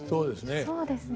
そうですね。